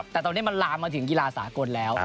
แต่ตอนนี้มันลามมาถึงกีฬาสากลแล้ว